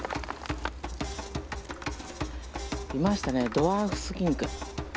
ドワーフスキンク？